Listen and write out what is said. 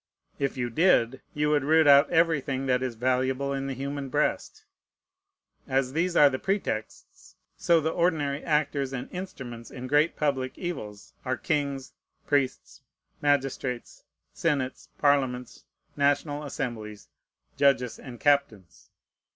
If you did, you would root out everything that is valuable in the human breast. As these are the pretexts, so the ordinary actors and instruments in great public evils are kings, priests, magistrates, senates, parliaments, national assemblies, judges, and captains.